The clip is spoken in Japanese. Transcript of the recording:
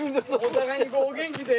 お互いにお元気で。